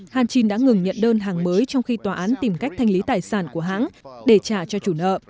hantin đã ngừng nhận đơn hàng mới trong khi tòa án tìm cách thanh lý tài sản của hãng để trả cho chủ nợ